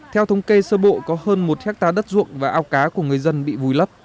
theo thống kê sơ bộ có hơn một hectare đất ruộng và ao cá của người dân bị vùi lấp